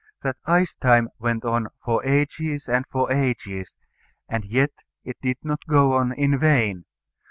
That ice time went on for ages and for ages; and yet it did not go on in vain.